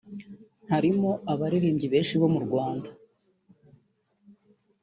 Harimo abaririmbyi benshi bo mu Rwanda